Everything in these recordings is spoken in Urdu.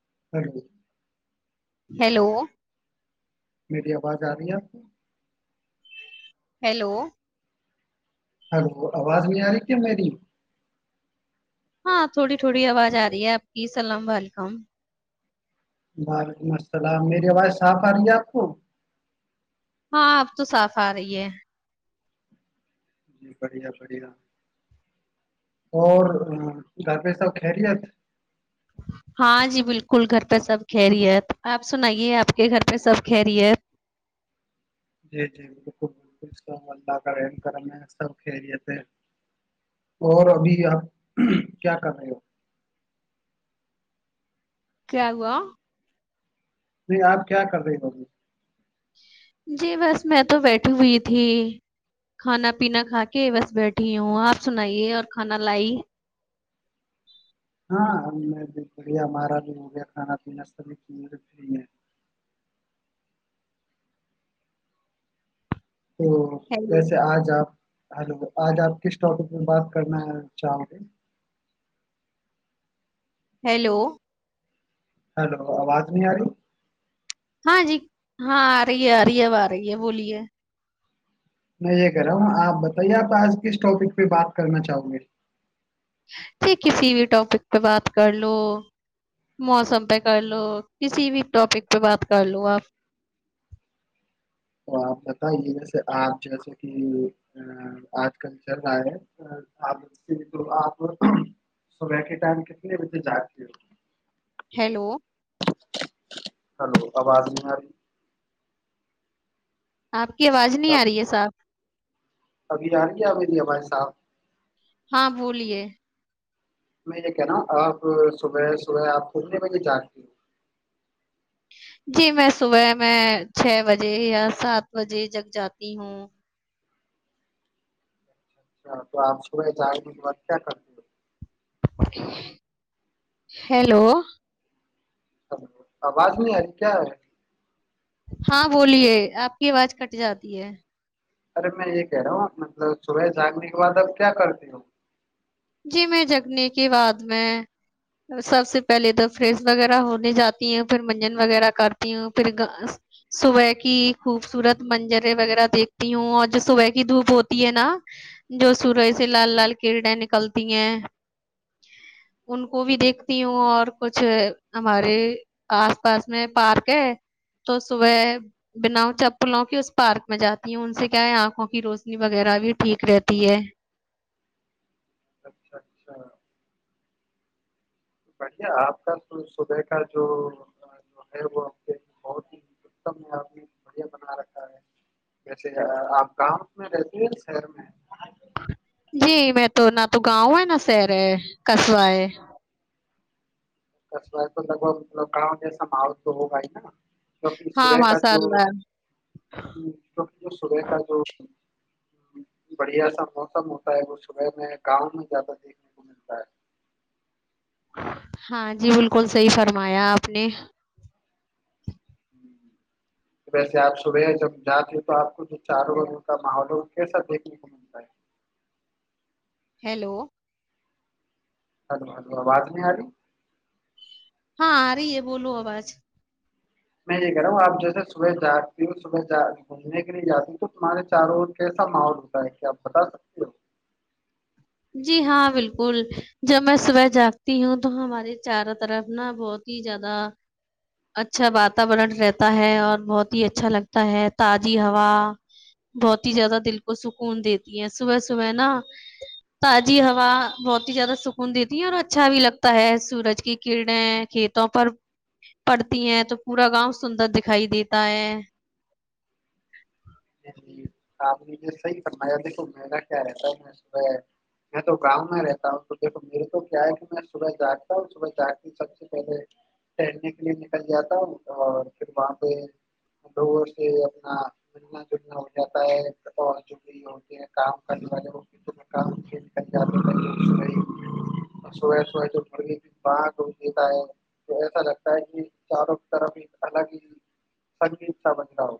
[inaudible] ہیلو میری آواز آ رہی ہے آپ ہیلو ہلو آواز نہیں آ رہی کیا میری ہاں تھوڑی تھوڑی آواز آ رہی ہے آپ کی سلام وعلیکم وعلیکم السلام میری آواز صاف آ رہی ہے آپ کو ہاں اب تو صاف رہی ہے جی بڑھیا بڑھیا اور گھر پہ سب خیریت ہاں جی بالکل گھر پہ سب کہریی ہےت آپ سنائیے آپ کے گھر پہ سب کہ رہیت جی جی بالکل بالکل اسلام اللہ کا رحم کرم ہے سب خیریت ہے اور ابھی آپ کیا کر رہے ہو کیا ہووا نہیں آپ کیا کر رہے تبھی جی بس میں تو بیٹھی ہوئی تھی کھانا پینا کھا کے بس بیٹھی ہوں آپ سنائیے اور کھانا لائی ہاں ہم بھی بھیا ہمارا بھی ہو گیا کھانا پینا سبھی تو ہیلو ویسے آج آپ ہلو آج آپ کس ٹاپک میں بات کرنا ہے چاہ گے ہیلو ہیلو آواز نہیں آو ہاں جی ہاں آرہی ہے آ رہی ہے اب آ رہی ہے بولیے میں یہ کر رہا ہوں آپ بتائیے آپ آج کس ٹاپک پہ بات کرنا چاہو گی جھ کسی بھی ٹاپک پہ بات کر لو موسم پہ کر لو کسی بھی ٹاپک پہ بات کر لو آپ تو آپ بتائیے جیسے آپ جیسے کہ آج کل چل رہا ہے آپ آپ صبح کے ٹائم کتنے بجے جاتے ہو ہیلو ہلو آواز نہیں ہےاری آپ کی آواز نہیں آ رہی ہے صاحب ابھی یار کیا میری ہمارے صاحب ہاں بولیے میں یہ کہ ن آپ صبح صبح آپ گھومنے بجے جاتی جی میں صبح میں چھ بجے یا سات بجے جگ جاتی ہوں اچھا تو آپ صبح جائیں گے کے بات کیا کرتے ہو ہیلو آواز نہیں آ رہی کیا ہے ہاں بولیے آپ کی آواز کٹ جاتی ہے ارے میں یہ کہہ رہا ہوں مطلب صبح جھاگنے کے بعد اب کیا کرتی ہو جی میں جگنے کے بعد میں سب سے پہلے تو فریس وغیرہ ہونے جاتی ہ پھر منجن وغیرہ کرتی ہوں پھر صبح کی خوبصورت منجریں وغیرہ دیکھتی ہوں اور جو صبح کی دھوپ ہوتی ہے نا جو سورج سے لال لال کرڑے نکلتی ان کو بھی دیکھتی ہوں اور کچھ ہمارے آس پاس میں پارک ہے تو صبح بنا چپلوں کی اس پارک میں جاتی ہوں ان سے کیا ہے آنکھوں کی روشنی وغیرہ بھی ٹھیک رہتی ہے اچھا اچھا بڑھیا آپ کا صبح کا جو ہے وہ بہت ہی اتم ہے آپ نے بڑھیا بنا رکھا ہے جیسے آپ گاؤں میں رہتی ہیں شہر میں جی میں تو نہ تو گاؤں ہے نہ شہر ہے قصبہ ہے کس ہے تو لگ بگ ک مجا ماحول تو ہوگ ہے نا سور ہاں کاا ماشاء جو اللہ سور کاا جو بڑھیا سا موسم ہوتا ہے وہ صبح میں گاؤں میں زیادہ دیکھنے کو ملتا ہے ہاں جی بالکل صحیح فرمایا آپ نے ہ ویسے آپ صبح جب جاتے ہو تو آپ کو جو چاروں رگ ان کا ماحول ہو کیسا دیکھنے کو ملتا ہے ہیلو ہلو ہو آواز نہیں آاری ہاں آ رہی ہے بولو آواز میں یہ کہہ رہا ہوں آپ جیسے صبح جااتتی ہوں صبح گھومنے کے لیے جاتی ہوں تو تمہارے چاروں کیسا ماحول ہوتا ہے کہ آپ بتا سکتی ہو جی ہاں بالکل جب میں صبح جاگتی ہوں تو ہمارے چاروں طرف نا بہت ہی زیادہ اچھا واتورورن رہتا ہے اور بہت ہی اچھا لگتا ہے تازی ہوا بہت ہی زیادہ دل کو سکون دیتی ہے صبح صبح نا تازی ہوا بہت ہی زیادہ سکون دیتی ہے اور اچھا بھی لگتا ہے سورج کی کرنیں کھیتوں پر پڑتی ہیں تو پورا گاؤں سندر دکھائی دیتا ہے صحیح م دیکھو میرا کیا رہتا ہے میں صبح میں تو گاؤں میں رہتا ہوں تو دیکھو میرے تو کیا ہے کہ میں صبح جاگتا ہوں صبح جا کے سب سے پہلے ٹہلنے کے لیے نکل جاتا ہوں اور پھر وہاں پہ ڈور سے اپنا ملنا بھی ہوتے ہیں کام کرنے والے وہ کام کر جات س سب جو مڑ بھی بغ دیتا ہے تو ایسا لگتا ہے کہ چاروں کی طرف ایک الگ ہی سنگیت سا بن رہا ہو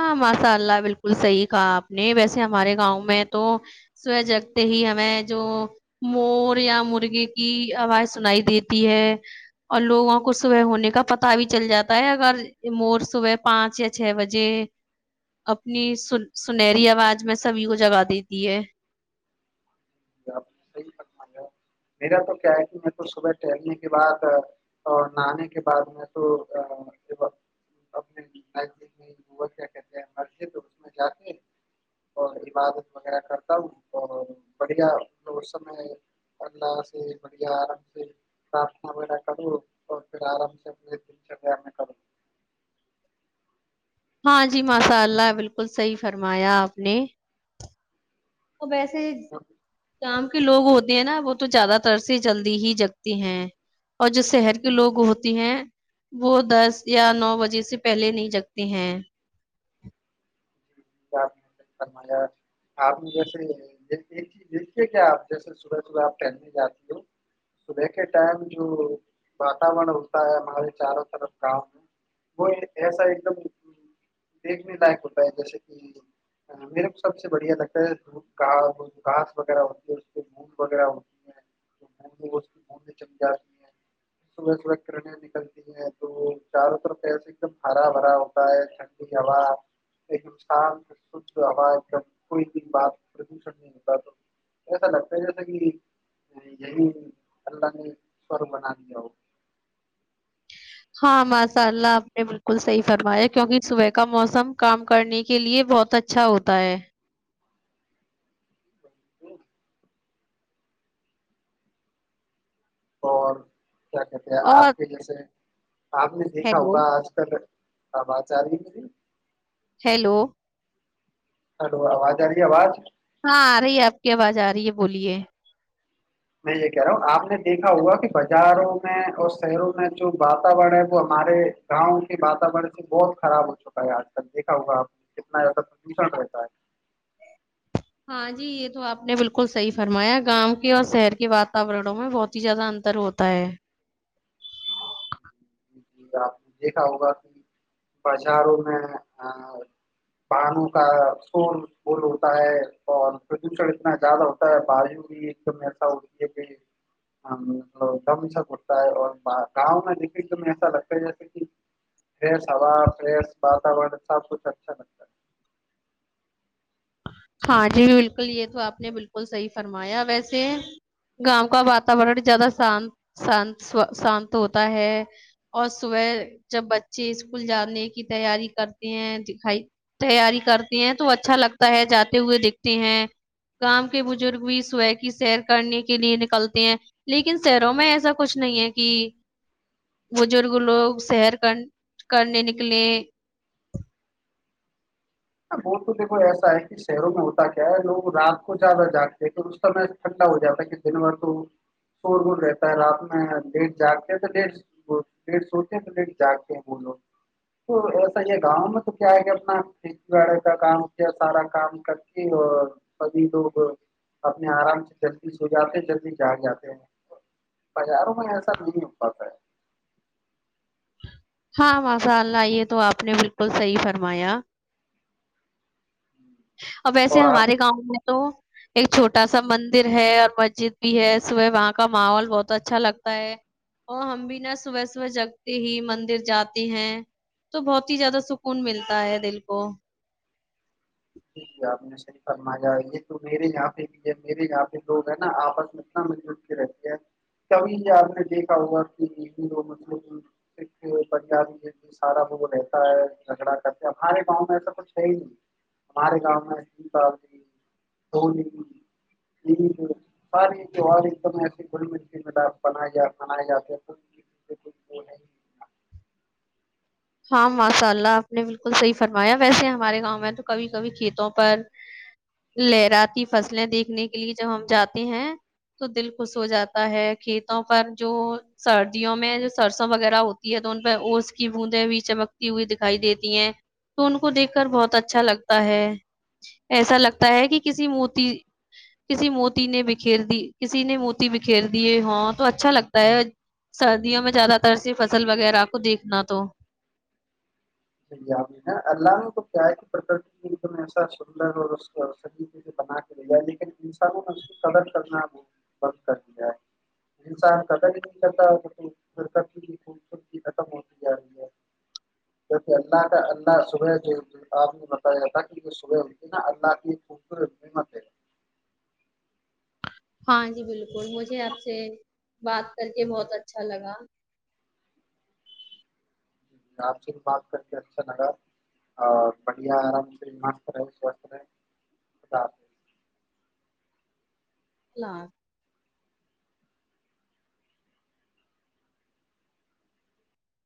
ہاں ماشاء اللہ بالکل صحیح کہا آپ نے ویسے ہمارے گاؤں میں تو صبح جگتے ہی ہمیں جو مور یا مرغے کی آواز سنائی دیتی ہے اور لوگوں کو صبح ہونے کا پتا بھی چل جاتا ہے اگر مور صبح پانچ یا چھ بجے جی اپنی سن سنہری آواز میں سبھی کو جگا دیتی ہے میرا تو کیا ہے کہ میں تو صبح ٹہلنے کے بعد اور نہانے کے بعد میں تو کیا کہتے ہےجاکے عبادت وغیرہ کرتا ہوں اور [unintelligible] ہاں جی ماشاء اللہ بالکل صحیح فرمایا آپ نے وہ ویسے گاؤں کے لوگ ہوتے ہیں نا وہ تو زیادہ تر سے جلدی ہی جگتی ہیں اور جو شہر کے لوگ ہوتے ہیں وہ دس یا نو بجے سے پہلے نہیں جگتے ہیں [inaudible] میرے کو سب سے بڑھیا لگتا ہے کہ ق گھاس وغیرہ ہوتی ہے اس بوند وغیرہ ہوتی ہے تو بند میں چم جاتی ہے صبح صبح کرنیں نکلتی ہیں تو چاروں طرفے ایک دم ہرا بھرا ہوتا ہے ٹھنڈی ہوا ایک شانت شھ ہواے ایک دم کوئی دن بعد پردوشن نہیں ہوتا تو ایسا لگتا ہے جیسا کہ یہی اللہ نے سورگ بنا دیا ہو ہاں ماشاء اللہ آپ نے بالکل صحیح فرمایا کیونکہ صبح کا موسم کام کرنے کے لیے بہت اچھا ہوتا ہے [inaudible] کیا کہتے ہیں اور آپ کے جیسے آپ نے دیکھا ہیلو ہوگا آج کل [unintelligible] ہیلو ہلو آواز آ رہی ہے آواز ہاں آ رہی ہے آپ کی آواز آ رہی ہے بولیے میں یہ کہہ رہا ہوں آپ نے دیکھا ہوا کہ بازاروں میں اور شہروں میں جو واتورن ہے وہ ہمارے گاؤں کے واتورن سے بہت خراب ہو چکا ہے آج کل دیکھا ہوگا آپ نے کتنا زیادہ پردوشن رہتا ہے ہاں جی یہ تو آپ نے بالکل صحیح فرمایا گاؤں کے اور شہر کے واتورنوں میں بہت ہی زیادہ انتر ہوتا ہے اور گاؤں میں [inaudible] تمہیں ایسا لگتا ہے جیسے کہ فرش ہوا فرش واتورن سب کچھ اچھا لگتا ہے ہاں جی بالکل یہ تو آپ نے بالکل صحیح فرمایا ویسے گاؤں کا واتاورن زیادہ شانتان شانت ہوتا ہے اور صبح جب بچے اسکول جانے کی تیاری کرتے ہیں دکھائی تیاری کرتے ہیں تو اچھا لگتا ہے جات تے ہوئے دیکھتے ہیں گاوں کے بزرگ بھی صبح کی سیر کرنے کے لیے نکلتے ہیں لیکن شہروں میں ایسا کچھ نہیں ہے کہ بزرگ لوگ سیر کر کرنے نکلے وہ تو دیکھو ایسا ہے کہ شہروں میں ہوتا کیا ہے لوگ رات کو زیادہ جاگتے ہیں تو اس سم ٹھنڈا ہو جاتا ہے کہ دن بھر تو شور بور رہتا ہے رات میں لیٹ جاگتے ہیں تو ڈ ڈھ سوتے ہیں تو لیٹ جاگتے ہیں وہ لوگ تو ایسا ہی گاؤں میں تو کیا ہے کہ اپنا کھیتی واڑی کا کام ہو کیا سارا کام کر کے اور سبھی لوگ اپنے آرام سے جلدی سو جاتے ہیں جلدی جاگ جاتے ہیں بازاروں میں ایسا نہیں ہو پاتا ہے ہاں ماشاء اللہ یہ تو آپ نے بالکل صحیح فرمایا اب ویسے اور آپ ہمارے گاؤں میں تو ایک چھوٹا سا مندر ہے اور مسجد بھی ہے صبح وہاں کا ماحول بہت اچھا لگتا ہے اور ہم بھی نا صبح صبح جگتے ہی مندر جاتی ہیں تو بہت ہی زیادہ سکون ملتا ہے دل کو یک ہے آپ نے سحیح فرمایا یہ تو میرے یہاں پہ بھی ہے میرے یہاں پہ لوگ ہیں نا آپس میں اتنا مل جل کے رہتے ہیں کبھی آپ نے دیکھا ہوگا کہ ہندو ہو مسلم سکھ پنجابی یہ سارا لوگ رہتا ہے جھگڑا کرتے ہیں ہمارے گاؤں میں ایسا کچھ ہے ہی نہیں ہمارے گاؤں میں سیتای ہولی عید سارے تیوار ایک دم ایسے گھل مل کے منائے جا منائے جاتے ہیں نہیں ہاں ماشاء اللہ آپ نے بالکل صحیح فرمایا ویسے ہمارے گاؤں میں تو کبھی کبھی کھیتوں پر لہراتی فصلیں دیکھنے کے لیے جب ہم جاتے ہیں تو دل خوش ہو جاتا ہے کھیتوں پر جو سردیوں میں جو سرسوں وغیرہ ہوتی ہے تو ان پ اس کی ب بھی چمکتی ہوئی دکھائی دیتی ہے تو ان کو دیکھ کر بہت اچھا لگتا ہے ایسا لگتا ہے کہ کسی موتی کسی موتی نے بکر دی کسی نے موتی بکھیر دیے ہاں تو اچھا لگتا ہے سردیوں میں زیادہ تر سے فصل وغیرہ کو دیکھنا تو ہے اللہ نے تو کیا ہے کہ پرکرتی ایسا سندر اور اسے بنا کے لیا لیکن انسانوں نے اس کی قدر کرنا بند کر دیا ہے انسان قدر ہی نہیں کرتا وہ تو پرک کی خوبصورتی ختم ہوتی جا رہی ہے جیسے اللہ کا اللہ صبح جو آپ نے بتایا تھا کہ صبح اٹھنا اللہ کی خوبصورت نیامت ہے [inaudible] [inaudible] آپ سے بات کر کے اچھا لگا اور بڑھیا آرام سے [unintelligible]